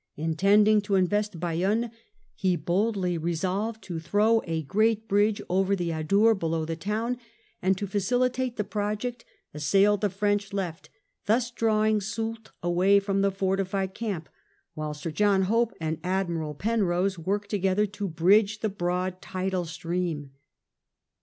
Intei\^ing to invest Bayonne, he boldly resolved to throw a great bridge over the Adour below the town, and to facilitate the project assailed the French left, thus drawing Soult away from the fortified camp, while Sir John Hope and Admiral Penrose worked together to bridge the broad tidal stream.